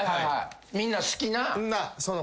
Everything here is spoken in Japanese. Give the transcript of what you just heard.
みんな好きな。